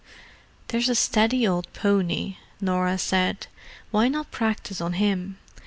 "There's a steady old pony," Norah said. "Why not practise on him?